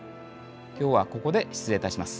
今日はここで失礼いたします。